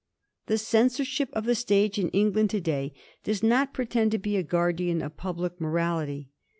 The censorship of the stage in England to day does not pretend to be a guardian of public morality.